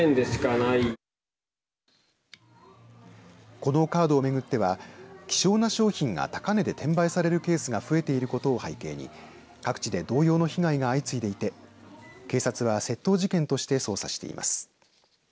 このカードを巡っては希少な商品が高値で転売されるケースが増えていることを背景に各地で同様の被害が相次いでいて警察は窃盗事件として捜査しています。